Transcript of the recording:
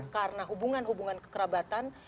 karena hubungan hubungan kekerabatan